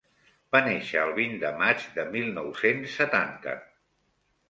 Va néixer el vint de maig de mil nou-cents setanta.